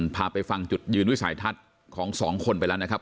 พาไปฟังจุดยืนวิสัยทัศน์ของสองคนไปแล้วนะครับ